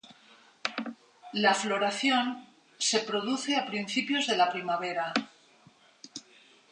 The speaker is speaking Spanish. La floración se produce a principios de la primavera.